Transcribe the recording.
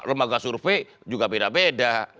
lembaga survei juga beda beda